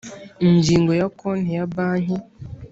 Ingingo ya Konti ya banki